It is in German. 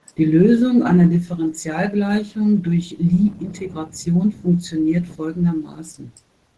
Die Lösung einer Differentialgleichung durch Lie-Integration funktioniert folgendermaßen.